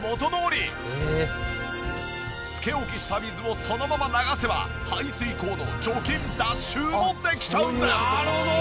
つけ置きした水をそのまま流せば排水口の除菌脱臭もできちゃうんです。